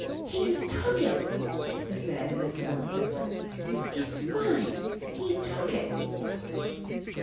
"He's took it," he said in a sibilant whisper. "It's mine! He took it!"